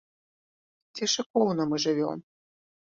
Ці шыкоўна мы жывём?